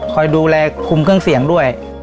คอยดูแลคุมเครื่องเสียงด้วย